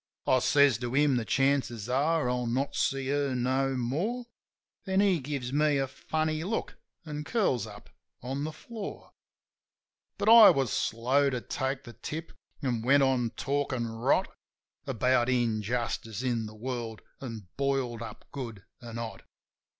I says to him the chances are I'll not see her no more. Then he gives me a funny look, an' curls up on the floor. But I was slow to take the tip, an' went on talkin' rot About injustice in the world, an' boiled up good an' hot.